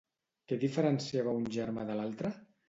Què diferenciava un germà de l'altre?